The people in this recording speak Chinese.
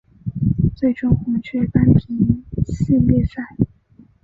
最终红雀扳平系列赛。